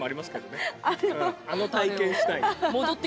あの体験したい。